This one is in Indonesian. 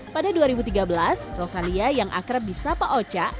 pada dua ribu tiga belas rosalia yang akrab di sapa oca